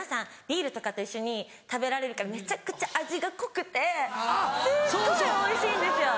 ビールとかと一緒に食べられるからめっちゃくちゃ味が濃くてすっごいおいしいんですよ。